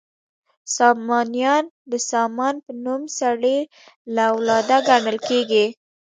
سامانیان د سامان په نوم سړي له اولاده ګڼل کیږي.